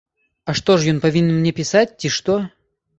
А што ж ён павінен мне пісаць, ці што?